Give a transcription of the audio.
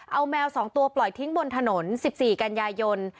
เอาแมว๒ตัวปล่อยทิ้งบนถนน๑๔กันยายน